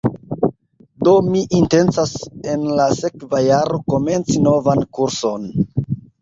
Do mi intencas en la sekva jaro komenci novan kurson